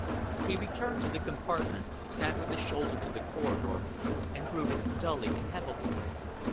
He returned to the compartment, sat with his shoulder to the corridor, and brooded dully and heavily.